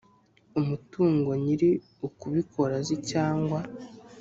umutungo nyiri ukubikora azi cyangwa